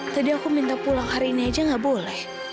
tadi aku minta pulang hari ini saja enggak boleh